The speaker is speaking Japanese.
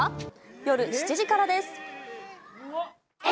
夜７時からです。